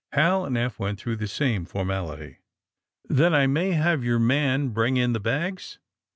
Hal and Eph went through the same for mality. ^'Then I may have your man bring in the bags?"